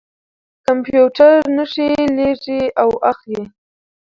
کمپیوټر نښې لېږي او اخلي.